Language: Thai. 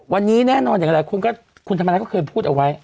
วันนี้แน่นอนอย่างหลายคนคุณธรรมนัฐก็เคยพูดเอาไว้